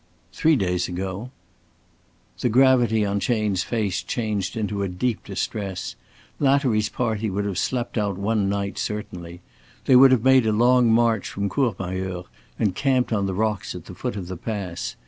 "Three days ago." The gravity on Chayne's face changed into a deep distress. Lattery's party would have slept out one night certainly. They would have made a long march from Courmayeur and camped on the rocks at the foot of the pass.